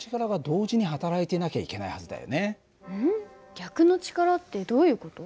逆の力ってどういう事？